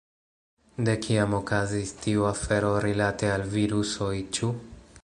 De kiam okazis tiu afero rilate al virusoj, ĉu?